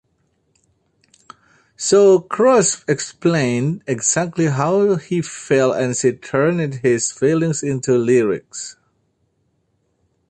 So Kruspe explained exactly how he felt and she turned his feelings into lyrics.